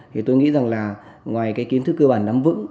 thì tôi nghĩ rằng là ngoài cái kiến thức cơ bản nắm vững